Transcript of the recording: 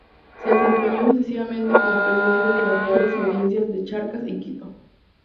Se desempeñó sucesivamente como Presidente de las Reales Audiencias de Charcas y Quito.